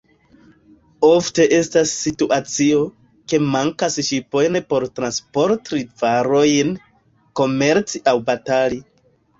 Ofte estas situacio, ke mankas ŝipojn por transporti varojn, komerci aŭ batali.